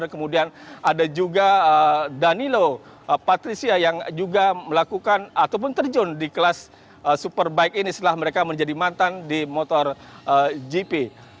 kemudian ada juga danilo patricia yang juga melakukan ataupun terjun di kelas superbike ini setelah mereka menjadi mantan di motor gp